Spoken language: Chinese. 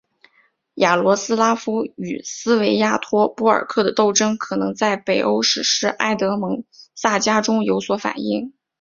雅罗斯拉夫与斯维亚托波尔克的斗争可能在北欧史诗埃德蒙萨迦中有所反映。